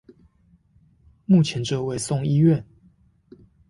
目前這位送醫院